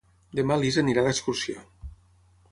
Demà na Lis irà d'excursió.